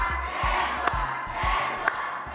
แพงกว่าแพงกว่าแพงกว่า